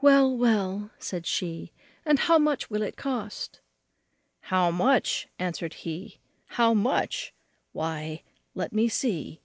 "Well, well," said she, "and how much will it cost?" "How much!" answered he, "How much! why, let me see."